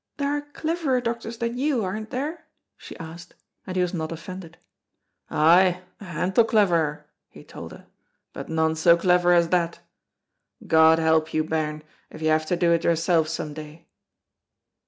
"There are cleverer doctors than you, aren't there?" she asked, and he was not offended. "Ay, a hantle cleverer," he told her, "but none so clever as that. God help you, bairn, if you have to do it yourself some day."